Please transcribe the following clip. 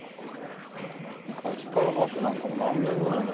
アスパラガスなんかも何年ぐらい前？